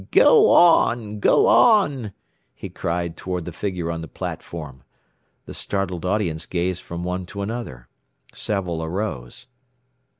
"Go on! Go on!" he cried toward the figure on the platform. The startled audience gazed from one to another. Several arose.